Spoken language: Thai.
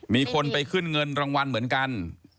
มีคนไปขึ้นเงินรางวัลเหมือนกัน